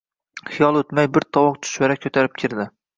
Hiyol o’tmay bir tovoq chuchvara ko’tarib kirdi.